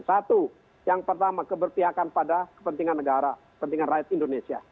satu yang pertama keberpihakan pada kepentingan negara kepentingan rakyat indonesia